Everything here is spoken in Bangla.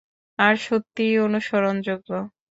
আর সত্যই অনুসরণযোগ্য।